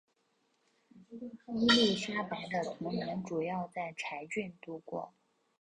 伊丽莎白的童年主要在柴郡度过。